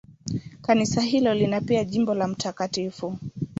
Kanisa hilo lina pia jimbo la Mt.